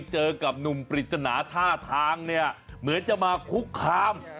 เจอกับหนุ่มปริศนาท่าทางเนี่ยเหมือนจะมาคุกคาม